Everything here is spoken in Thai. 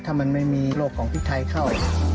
ถ้ามันไม่มีโรคของพริกไทยเข้า